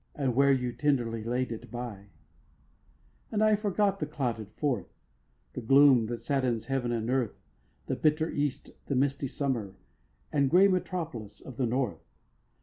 And where you tenderly laid it by: And I forgot the clouded Forth, The gloom that saddens Heaven and Earth, The bitter east, the misty summer And gray metropolis of the North.